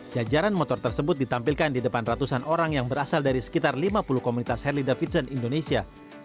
jajaran motor tersebut ditampilkan di depan ratusan orang yang berasal dari sekitar lima puluh komunitas harley davidson indonesia